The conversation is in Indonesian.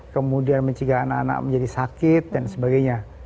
kemudian mencegah anak anak menjadi sakit dan sebagainya